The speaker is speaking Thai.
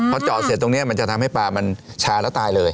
พอเจาะเสร็จตรงนี้มันจะทำให้ปลามันชาแล้วตายเลย